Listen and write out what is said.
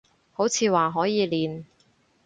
好似話可以練